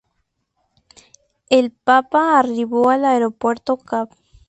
El papa arribó al aeropuerto Cap.